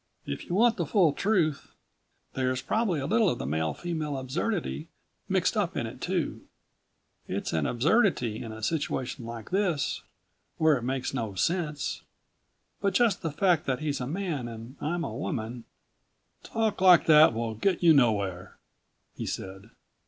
If you want the full truth ... there's probably a little of the male female absurdity mixed up in it too. It's an absurdity in a situation like this, where it makes no sense. But just the fact that he's a man and I'm a woman " "Talk like that will get you nowhere," he said.